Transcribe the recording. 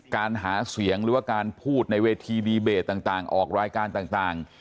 การหาเสียงหรือว่าการพูดในเวทีดีเบตต่างออกรายการต่าง